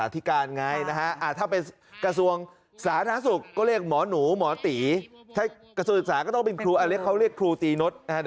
ถ้าจะศึกษาก็ต้องเป็นครูอัลเล็กเขาเรียกครูตีนท